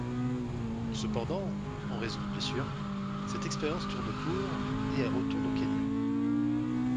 Cependant, en raison de blessures, cette expérience tourne court et elle retourne au Kenya.